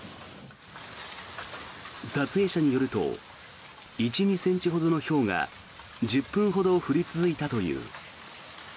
撮影者によると１２ｃｍほどのひょうが１０分ほど降り続いたという。